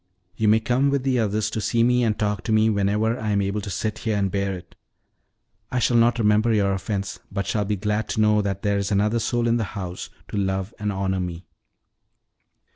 You may come with the others to see me and talk to me whenever I am able to sit here and bear it. I shall not remember your offense, but shall be glad to know that there is another soul in the house to love and honor me."